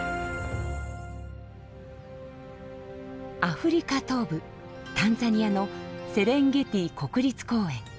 アフリカ東部タンザニアのセレンゲティ国立公園。